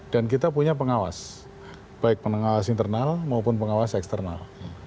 dan kita punya pengawas baik pengawas internal maupun pengawas eksternal